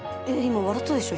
今笑ったでしょ？